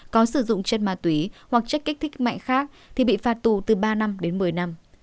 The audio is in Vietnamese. có sử dụng chất ma túy hoặc chất kích thích mạnh khác thì bị phạt tù từ ba năm đến một mươi năm